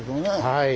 はい。